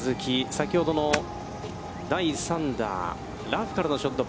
先ほどの第３打、ラフからのショット。